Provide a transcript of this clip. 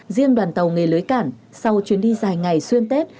riêng đoàn tàu nghề lưới cản sau chuyến đi dài ngày xuyên tết